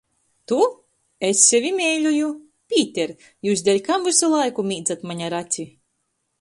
Tu? Es sevi meiļoju! Pīter, jius deļkam vysu laiku mīdzat maņ ar aci?